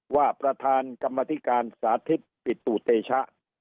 ว่าประธานกรรมธิการสาธิตปิตุเตชะ